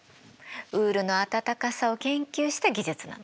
ウールの暖かさを研究した技術なの。